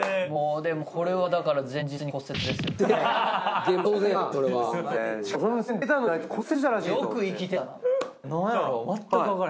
でもこれはだから前日に骨折ですよね。